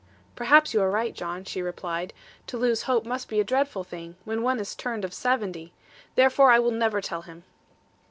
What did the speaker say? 'Perhaps you are right, John,' she replied: 'to lose hope must be a dreadful thing, when one is turned of seventy. Therefore I will never tell him.'